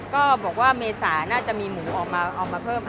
ก็บอกว่าเมษาน่าจะมีหมูออกมาเอามาเพิ่ม